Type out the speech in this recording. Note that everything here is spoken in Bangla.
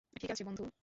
ঠিক আছে, বন্ধু।